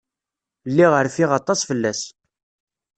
Lliɣ rfiɣ aṭas fell-as.